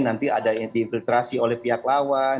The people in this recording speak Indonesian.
nanti ada yang di infiltrasi oleh pihak lawan